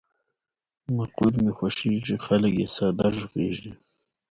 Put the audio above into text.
مقر مې خوښېږي، خلګ یې ساده غږیږي.